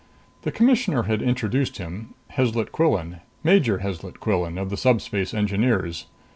The Commissioner had introduced him: Heslet Quillan Major Heslet Quillan, of the Subspace Engineers.